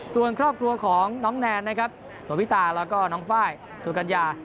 ส่วนครอบครัวของน้องแนนนะครับสวพิตาแล้วก็น้องไฟล์สุกัญญา